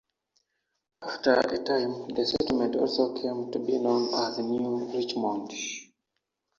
After a time, the settlement also came to be known as "New Richmond".